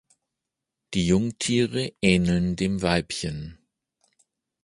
Die Jungtiere ähneln dem Weibchen.